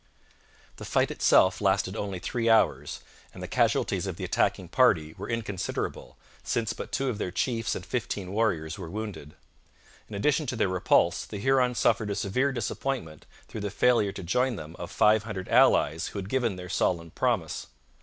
The fight itself lasted only three hours, and the casualties of the attacking party were inconsiderable, since but two of their chiefs and fifteen warriors were wounded. In addition to their repulse, the Hurons suffered a severe disappointment through the failure to join them of five hundred allies who had given their solemn promise.